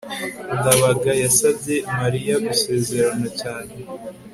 ndabaga yasabye mariya gusezerana cyane